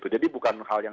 jadi bukan hal yang